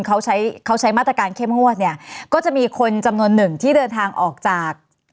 เขาใช้มาตรการเคลื่อนหัวเนี่ยก็จะมีคนจำนวนหนึ่งที่เดินทางออกจาก